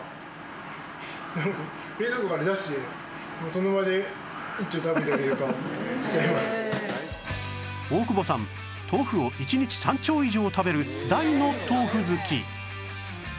その大久保さん豆腐を１日３丁以上食べる大の豆腐好き